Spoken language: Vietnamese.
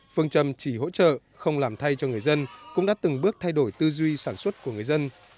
phương châm chỉ hỗ trợ không làm thay cho người dân cũng đã từng bước thay đổi tư duy sản xuất của người dân